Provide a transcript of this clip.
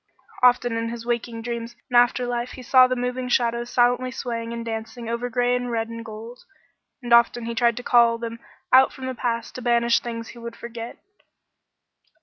Often in his waking dreams in after life he saw the moving shadows silently swaying and dancing over gray and red and gold, and often he tried to call them out from the past to banish things he would forget.